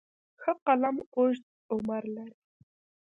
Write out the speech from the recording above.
ښه قلم اوږد عمر لري.